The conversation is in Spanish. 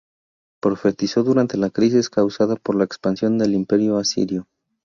Profetizó durante la crisis causada por la expansión del Imperio asirio.